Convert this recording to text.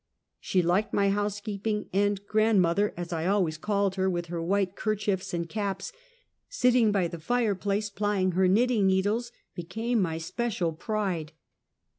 She liked my house keeping, and " grandmother," as I always called her, with her white 'kerchiefs and caps, sitting by the fire place plying her knitting needles, became my special pride.